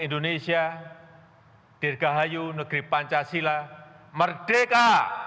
dirgahayu negeri pancasila merdeka